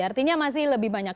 artinya masih lebih banyak